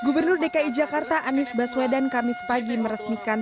gubernur dki jakarta anies baswedan kamis pagi meresmikan